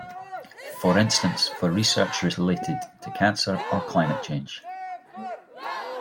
For instance for research related to cancer, or climate change.